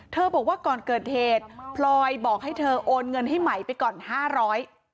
บอกว่าก่อนเกิดเหตุพลอยบอกให้เธอโอนเงินให้ไหมไปก่อนห้าร้อย